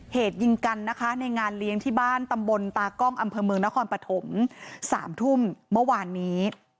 เหตุยิงกันนะคะในงานเลี้ยงที่บ้านตำบลตากล้องอำเภอเมืองนครปฐม๓ทุ่มเมื่อวานนี้